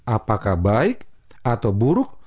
apakah baik atau buruk